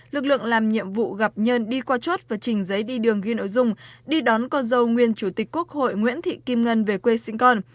lực lượng làm nhiệm vụ gặp nhân đi qua chốt và trình giấy đi đường ghi nội dung đi đón con dâu nguyên chủ tịch quốc hội nguyễn thị kim ngân về quê sinh con